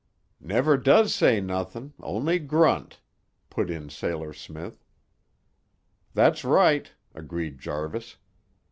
"Never does say nothin', only grunt," put in Sailor Smith. "That's right," agreed Jarvis.